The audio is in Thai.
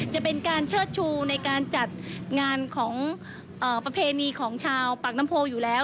จะเป็นการเชิดชูในการจัดงานของประเพณีของชาวปากน้ำโพอยู่แล้ว